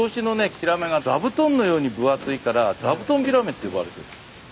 ヒラメが座布団のように分厚いから「座布団ビラメ」って呼ばれてる。